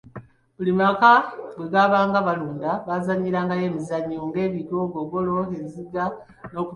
buli maka ga Bwe baabanga balunda, baazannyirangayo emizannyo ng’ebigo, ggogolo, enziga n’okulwanyisa embuzi.